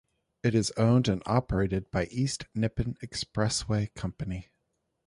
It is owned and operated by East Nippon Expressway Company.